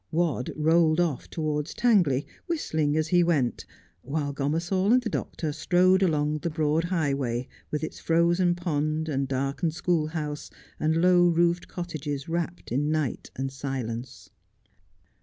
Wadd rolled off towards Tangley, whistling as he went : while Gomersall and the doctor strode along the broad highway, with its frozen pond, and darkened schoolhouse, and low roofed cottages wrapped in night and silence.